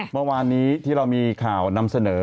เมื่อวานนี้ที่เรามีข่าวนำเสนอ